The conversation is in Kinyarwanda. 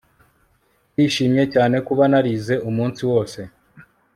Ndishimye cyane kuba narize umunsi wose